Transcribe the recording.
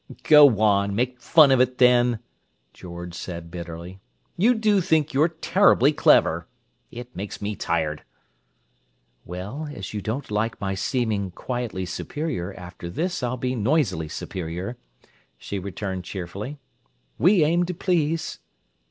"Go on, make fun of it, then!" George said bitterly. "You do think you're terribly clever! It makes me tired!" "Well, as you don't like my seeming 'quietly superior,' after this I'll be noisily superior," she returned cheerfully. "We aim to please!"